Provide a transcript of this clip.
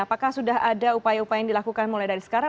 apakah sudah ada upaya upaya yang dilakukan mulai dari sekarang